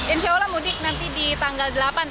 insya allah mudik nanti di tanggal delapan